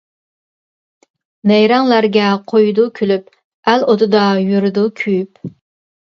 نەيرەڭلەرگە قويىدۇ كۈلۈپ، ئەل ئوتىدا يۈرىدۇ كۆيۈپ.